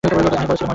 অনেক বড় সিনেমা।